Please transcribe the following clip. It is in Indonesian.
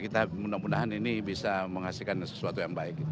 kita mudah mudahan ini bisa menghasilkan sesuatu yang baik